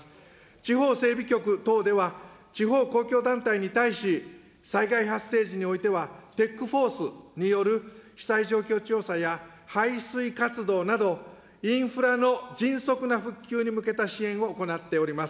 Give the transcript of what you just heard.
地方整備局等では、地方公共団体に対し、災害発生時においては、テックフォースによる被災情報調査や排水活動など、インフラの迅速な復旧に向けた支援を行っております。